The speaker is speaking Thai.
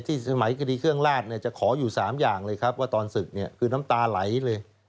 สมัยคดีเครื่องลาดเนี่ยจะขออยู่๓อย่างเลยครับว่าตอนศึกเนี่ยคือน้ำตาไหลเลย